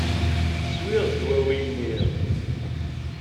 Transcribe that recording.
Swiɣ ddwawi-nni.